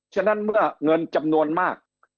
ฉะนั้นเมื่อเงินจำนวนมาก